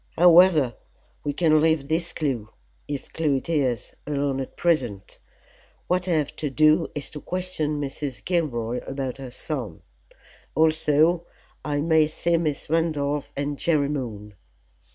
"However, we can leave this clue, if clue it is, alone at present. What I have to do is to question Mrs. Gilroy about her son. Also I may see Miss Randolph and Jerry Moon.